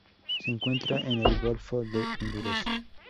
Se encuentra en el golfo de Honduras.